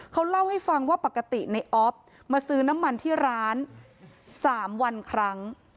เขาเล่าให้ฟังว่าปกติในออฟมาซื้อน้ำมันที่ร้าน๓วันครั้ง